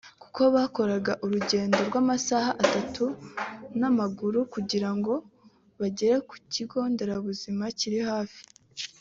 kuko bakoraga urugendo rw’amasaha atatu n’amaguru kugira ngo bagere ku kigo nderabuzima kiri hafi